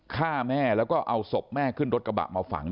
ฆ่าแม่แล้วก็เอาศพแม่ขึ้นรถกระบะมาฝัง